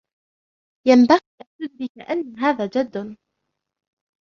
ينبغي أن تدرك أن هذا جد.